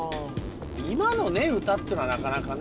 今のね歌ってのはなかなかね